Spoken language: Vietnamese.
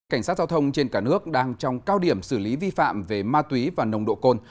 cảnh sát giao thông trên cả nước đang trong cao điểm xử lý vi phạm về ma túy và nồng độ cồn